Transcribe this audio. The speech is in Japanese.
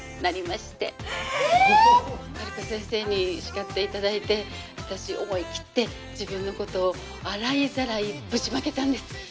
ハルコ先生に叱っていただいてあたし思い切って自分のこと洗いざらいぶちまけたんです。